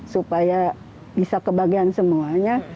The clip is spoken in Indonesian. supaya bisa kebagian semuanya